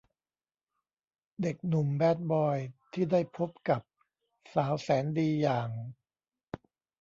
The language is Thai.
เด็กหนุ่มแบดบอยที่ได้พบกับสาวแสนดีอย่าง